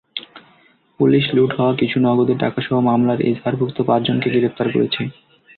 Police লুট হওয়া কিছু নগদ টাকাসহ মামলার এজাহারভুক্ত পাঁচজনকে গ্রেপ্তার করেছে।